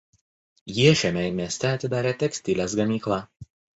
Jie šiame mieste atidarė tekstilės gamyklą.